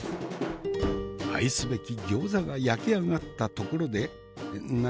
愛すべき餃子が焼き上がったところで何？